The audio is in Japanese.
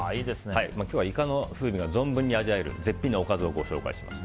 今日はイカの風味が存分に味わえる絶品のおかずをご紹介します。